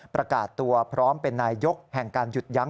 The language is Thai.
ประกาศตัวพร้อมเป็นนายยกแห่งการหยุดยั้ง